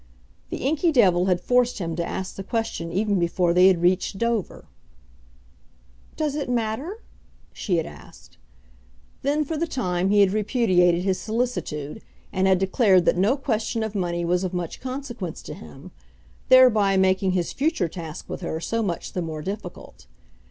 The inky devil had forced him to ask the question even before they had reached Dover. "Does it matter?" she had asked. Then for the time he had repudiated his solicitude, and had declared that no question of money was of much consequence to him, thereby making his future task with her so much the more difficult.